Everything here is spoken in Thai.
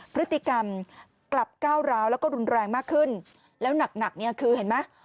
พฤติกรรมกลับก้าวร้าวแล้วก็รุนแรงมากขึ้นแล้วหนักหนักเนี่ยคือเห็นไหม